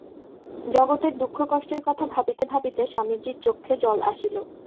জগতের দুঃখকষ্টের কথা ভাবিতে ভাবিতে স্বামীজীর চক্ষে জল আসিল।